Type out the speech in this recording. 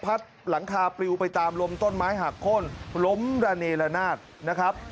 หลังคาปลิวไปตามลมต้นไม้หักโค้นล้มระเนละนาดนะครับ